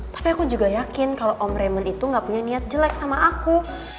tapi aku juga yakin kalau om ramen itu gak punya niat jelek sama aku